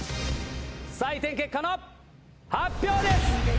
採点結果の発表です！